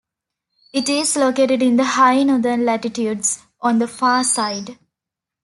It is located in the high northern latitudes, on the far side.